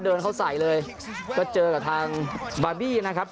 เดินเข้าใส่เลยก็เจอกับทางบาร์บี้นะครับ